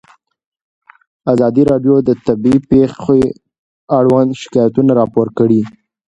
ازادي راډیو د طبیعي پېښې اړوند شکایتونه راپور کړي.